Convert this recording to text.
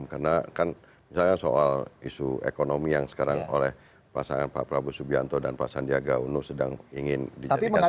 karena kan misalnya soal isu ekonomi yang sekarang oleh pasangan pak prabu subianto dan pak sandiaga uno sedang ingin dijadikan sebagai mainstream